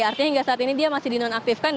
artinya hingga saat ini dia masih dinonaktifkan